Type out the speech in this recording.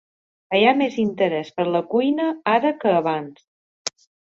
Hi ha més interès per la cuina ara que abans.